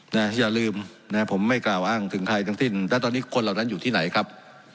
อย่าลืมนะผมไม่กล่าวอ้างถึงใครทั้งสิ้นและตอนนี้คนเหล่านั้นอยู่ที่ไหนครับ